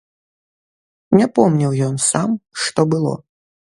Не помніў ён сам, што было.